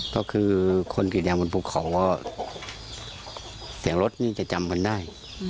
ก็คือคนกลีดยังบนบุคเขาว่าเสียงรถจะจำมันได้